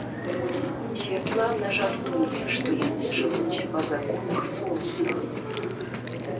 Святлана жартуе, што яны жывуць па законах сонца.